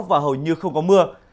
và hầu như không có mưa